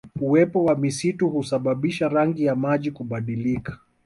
Uwepo wa misitu husababisha rangi ya maji kubadilika